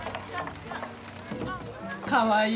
かわいい。